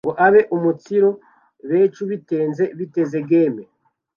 ngo ebeumunsiru becu bitenze betizegeme